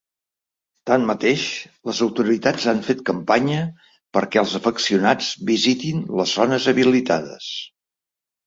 Tanmateix, les autoritats han fet campanya perquè els afeccionats visitin les zones habilitades.